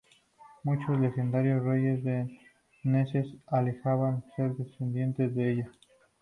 Muchos legendarios reyes daneses alegaban ser descendientes de ella.